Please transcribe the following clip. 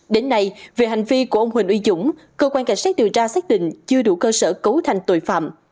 đến nay về hành vi của ông huỳnh uy dũng cơ quan cảnh sát điều tra xác định chưa đủ cơ sở cấu thành tội phạm